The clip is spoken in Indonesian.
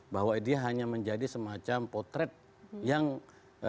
bahwa dia hanya menjadi semacam potret yang ee